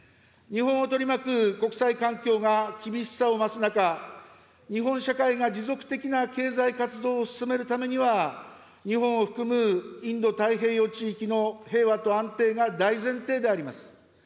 日本を取り巻く国際環境が厳しさを増す中、日本社会が持続的な経済活動を進めるためには、日本を含むインド太平洋地域の平和と安定が大前提であります。